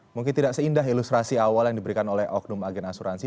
mungkin tidak seindah ilustrasi awal yang diberikan oleh oknum agen asuransi